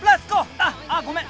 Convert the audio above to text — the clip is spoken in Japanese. あっああごめん！